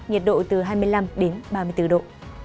nhiệt độ từ hai mươi năm đến ba mươi bốn độ